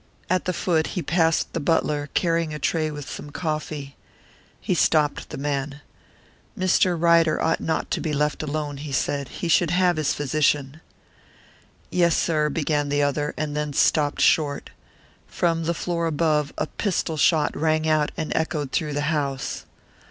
At the foot he passed the butler, carrying a tray with some coffee. He stopped the man. "Mr. Ryder ought not to be left alone," he said. "He should have his physician." "Yes, sir," began the other, and then stopped short. From the floor above a pistol shot rang out and echoed through the house.